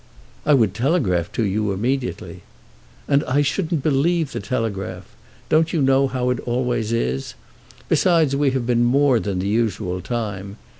"I would telegraph to you immediately." "And I shouldn't believe the telegraph. Don't you know how it always is? Besides we have been more than the usual time.